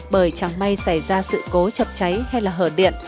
bởi chẳng may xảy ra sự cố chập cháy hay là hở điện